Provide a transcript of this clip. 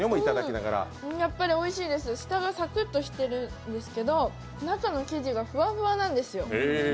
おいしいです、下がサクッとしてるんですけど中の生地がふわふわなんですよ。